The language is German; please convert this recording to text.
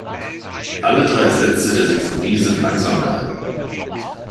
Alle drei Sätze der Sinfonie sind langsam gehalten.